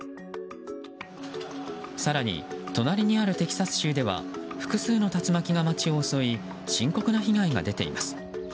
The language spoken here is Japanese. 更に、隣にあるテキサス州では複数の竜巻が街を襲い深刻な被害が出ています。